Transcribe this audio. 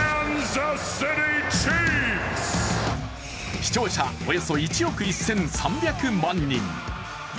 視聴者およそ１億１３００万人。